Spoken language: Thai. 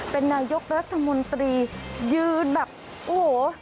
เป็นนายกรัฐมนตรียืนแบบโอ้โห